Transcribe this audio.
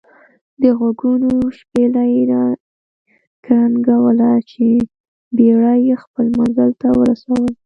دغوږونو شپېلۍ را کرنګوله چې بېړۍ خپل منزل ته ورسول.